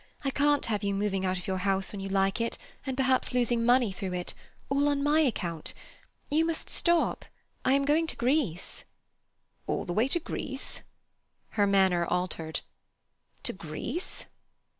I can't have you moving out of your house when you like it, and perhaps losing money through it—all on my account. You must stop! I am just going to Greece." "All the way to Greece?" Her manner altered. "To Greece?"